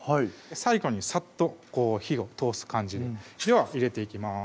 最後にさっと火を通す感じででは入れていきます